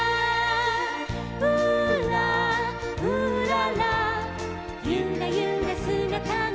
「うーらうーらら」「ゆらゆらすがたが」